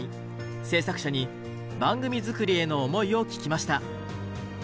制作者に番組作りへの思いを聞きました。